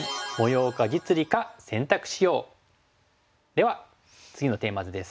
では次のテーマ図です。